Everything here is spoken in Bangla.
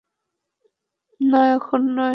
না, এখনো নয়।